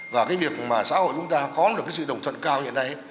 và cái việc mà xã hội chúng ta có được cái sự đồng thuận cao hiện nay